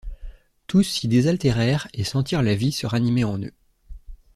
Tous s’y désaltérèrent et sentirent la vie se ranimer en eux.